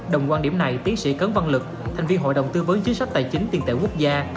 đồng quan điểm này tiến sĩ cấn văn lực thành viên hội đồng tư vấn chính sách tài chính tiền tệ quốc gia